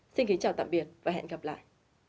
xin kính chào tạm biệt và hẹn gặp lại